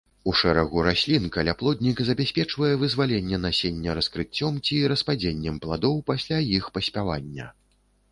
У шэрагу раслін каляплоднік забяспечвае вызваленне насення раскрыццём ці распадзеннем пладоў пасля іх паспявання.